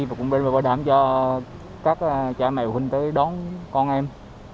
và các trẻ mèo huynh tới đón con em